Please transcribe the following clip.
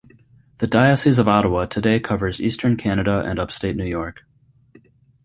The Diocese of Ottawa today covers Eastern Canada and Upstate New York.